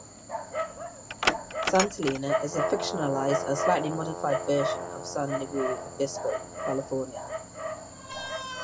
San Celina is a fictionalized and slightly modified version of San Luis Obispo, California.